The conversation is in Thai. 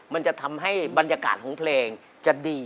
มันจะทำให้บรรยากาศของเพลงจะดี